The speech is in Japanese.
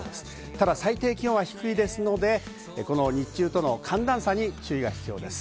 ただ最低気温は低いですので、この日中との寒暖差に注意が必要です。